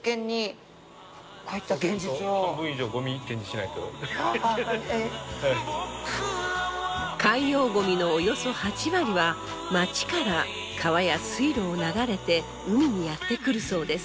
なんといっても海洋ゴミのおよそ８割は町から川や水路を流れて海にやって来るそうです。